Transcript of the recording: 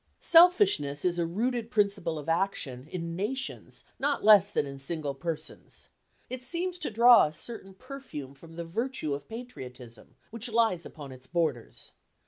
Selfishness is a rooted principle of action in nations not less than in single persons. It seems to draw a certain perfume from the virtue of patriotism, which lies upon its borders.